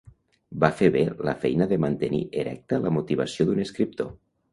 Va fer bé la feina de mantenir erecta la motivació d'un escriptor.